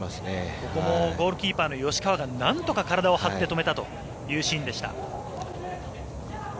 ここもゴールキーパーの吉川がなんとか体を張って止めたというシーンでした。